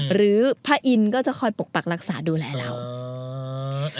หรือพระอินทร์ก็จะคอยปกปักรักษาดูแลเรา